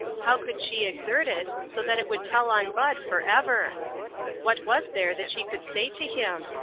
How could she exert it so that it would tell on Bud forever? What was there that she could say to him?